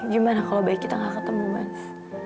gimana kalo bayi kita gak ketemu bes